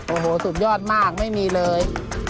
โอ้โหสุดยอดมากไม่มีเลย